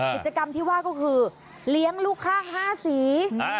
กิจกรรมที่ว่าก็คือเลี้ยงลูกค่า๕สี